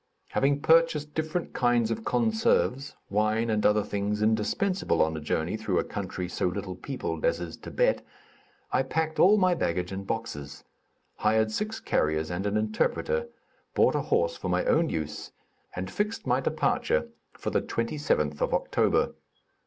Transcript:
Having purchased different kinds of conserves, wine and other things indispensable on a journey through a country so little peopled as is Thibet, I packed all my baggage in boxes; hired six carriers and an interpreter, bought a horse for my own use, and fixed my departure for the 27^th of October.